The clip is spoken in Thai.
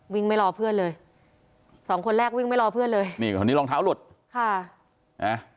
ไม่รอเพื่อนเลยสองคนแรกวิ่งไม่รอเพื่อนเลยนี่คนนี้รองเท้าหลุดค่ะนะ